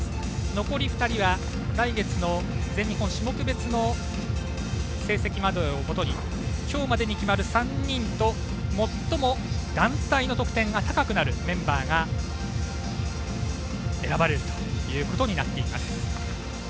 残り２人は来月の全日本種目別の成績ということで今日までに決まる３人と最も団体の得点が高くなるメンバーが選ばれるということになっています。